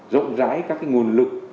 rộng rãi các nguồn lực